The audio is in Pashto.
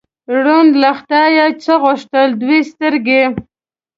ړوند له خدایه څه غوښتل؟ دوه سترګې.